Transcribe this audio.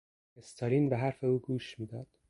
استالین به حرف او گوش میداد.